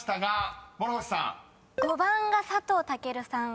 ５番が「佐藤健さん」